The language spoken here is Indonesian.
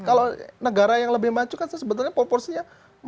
kalau negara yang lebih maju kan sebenarnya poporsinya empat puluh enam puluh